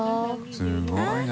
すごいな。